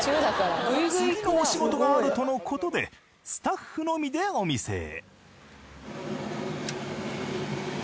次のお仕事があるとのことでスタッフのみでお店へ。